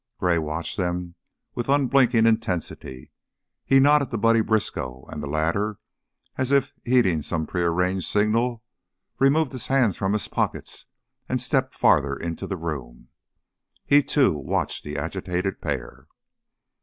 Gray watched them with unblinking intensity; he nodded to Buddy Briskow, and the latter, as if heeding some prearranged signal, removed his hands from his pockets and stepped farther into the room. He, too, watched the agitated pair.